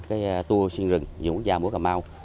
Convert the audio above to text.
cái tour xuyên rừng vườn quốc gia mũi cả mau